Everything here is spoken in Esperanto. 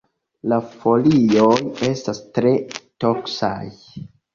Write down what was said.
La folioj estas tre toksaj.